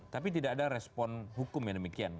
tapi tidak ada respon hukum yang demikian